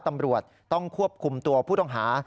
ตำรวจต้องควบคุมตัวผู้ต้องหา